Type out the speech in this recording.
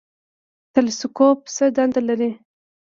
تلسکوپ څه دنده لري؟